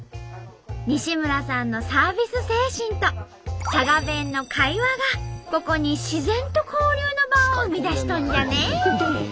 精神と佐賀弁の会話がここに自然と交流の場を生み出しとんじゃね！